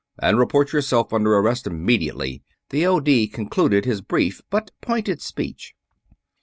"... and report yourself under arrest immediately!" the O.D. concluded his brief but pointed speech.